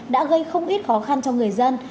đã gây không ít khó khăn cho người dân